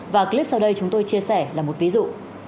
và clip sau đây chúng tôi chia sẻ là một ví dụ